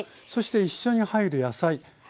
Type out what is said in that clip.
そして一緒に入る野菜。